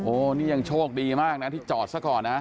โอ้นี่ยังโชคดีมากที่จอดสักก่อนนะ